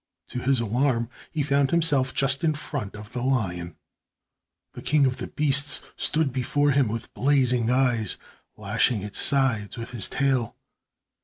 To his alarm he found himself just in front of the lion. The king of the beasts stood before him with blazing eyes, lashing its sides with his tail.